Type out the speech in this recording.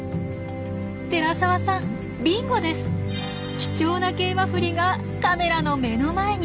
貴重なケイマフリがカメラの目の前に！